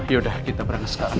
yaudah kita berangkat sekarang